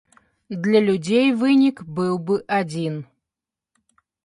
Для людзей вынік быў бы адзін.